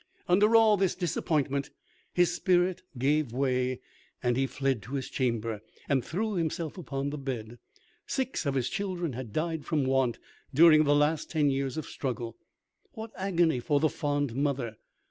Under all this disappointment his spirit gave way, and he fled to his chamber, and threw himself upon the bed. Six of his children had died from want during the last ten years of struggle. What agony for the fond mother!